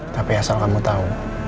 tapi asal kamu tahu